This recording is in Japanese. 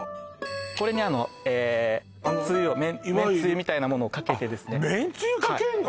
これにあのめんつゆみたいなものをかけていわゆるあっめんつゆかけんの！？